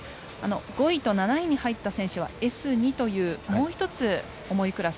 ５位と７位に入った選手はＳ２というもう１つ重いクラス。